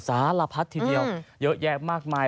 สารพัดทีเดียวเยอะแยะมากมาย